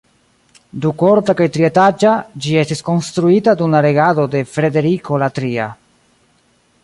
Dukorta kaj trietaĝa, ĝi estis konstruita dum la regado de Frederiko la Tria.